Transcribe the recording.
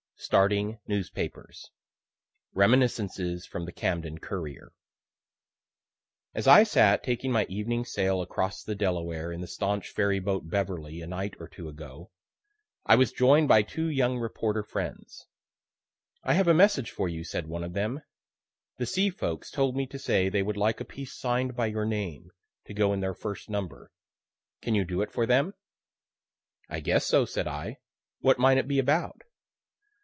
STARTING NEWSPAPERS Reminiscences (From the "Camden Courier"). As I sat taking my evening sail across the Delaware in the staunch ferry boat "Beverly," a night or two ago, I was join'd by two young reporter friends. "I have a message for you," said one of them; "the C. folks told me to say they would like a piece sign'd by your name, to go in their first number. Can you do it for them?" "I guess so," said I; "what might it be about?"